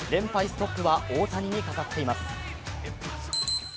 ストップは大谷にかかっています。